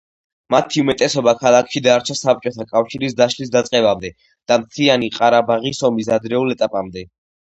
მათი უმეტესობა ქალაქში დარჩა საბჭოთა კავშირის დაშლის დაწყებამდე და მთიანი ყარაბაღის ომის ადრეულ ეტაპამდე.